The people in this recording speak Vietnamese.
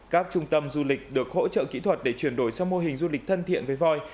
các trung tâm du lịch được hỗ trợ kỹ thuật để chuyển đổi sang mô hình du lịch thân thiện với voi